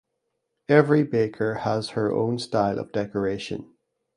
Every baker has her own style of decoration.